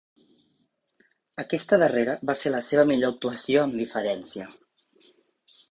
Aquesta darrera va ser la seva millor actuació amb diferència.